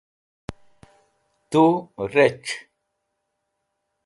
tu rec̃h